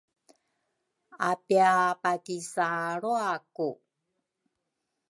apiapakisaalraku